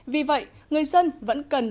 vì vậy người dân vẫn cần